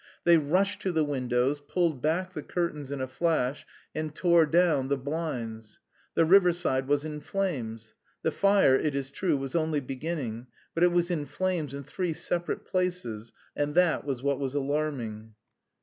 They rushed to the windows, pulled back the curtains in a flash, and tore down the blinds. The riverside was in flames. The fire, it is true, was only beginning, but it was in flames in three separate places and that was what was alarming.